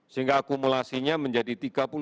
sehingga akumulasinya menjadi tiga puluh lima